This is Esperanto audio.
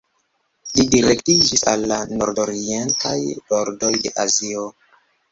Li direktiĝis al la nordorientaj bordoj de Azio.